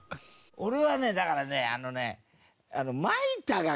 俺はねだからねあのね。